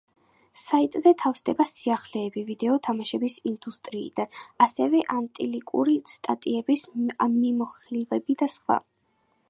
საიტზე თავსდება სიახლეები ვიდეო თამაშების ინდუსტრიიდან, ასევე ანალიტიკური სტატიები, მიმოხილვები და სხვა.